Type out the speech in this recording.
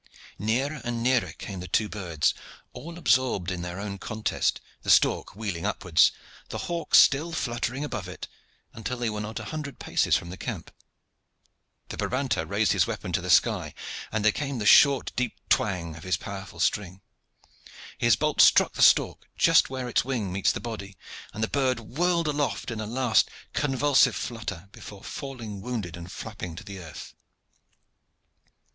Nearer and nearer came the two birds, all absorbed in their own contest, the stork wheeling upwards, the hawk still fluttering above it, until they were not a hundred paces from the camp. The Brabanter raised his weapon to the sky, and there came the short, deep twang of his powerful string. His bolt struck the stork just where its wing meets the body, and the bird whirled aloft in a last convulsive flutter before falling wounded and flapping to the earth.